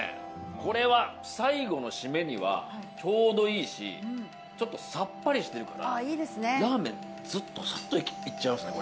これは最後のシメにはちょうどいいしちょっとさっぱりしてるからラーメンさっといっちゃいますね